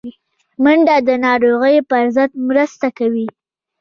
منډه د ناروغیو پر ضد مرسته کوي